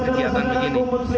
kalau kegiatan begini